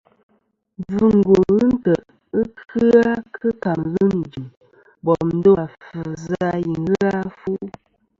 Mbvɨngwo ghɨ ntè' ghɨ kɨ-a kɨ camelûn i jɨm bòm ndo àfvɨ zɨ a i ghɨ a fu.